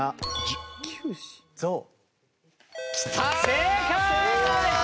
正解！